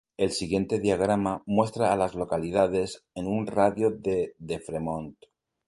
El siguiente diagrama muestra a las localidades en un radio de de Fremont.